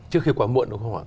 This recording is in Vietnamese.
trước khi quá muộn đúng không ạ